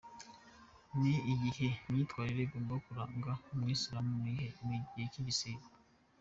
Ni iyihe myitwarire igomba kuranga Umuyisilamu mu gihe cy’igisibo?.